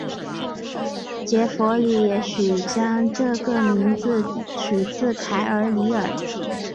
杰佛里也许将这个名字取自凯尔李尔。